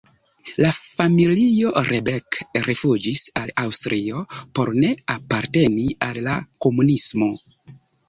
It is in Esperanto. La familio Rebek rifuĝis al Aŭstrio por ne aparteni al la komunismo.